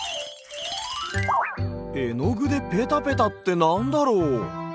えのぐでペタペタってなんだろう？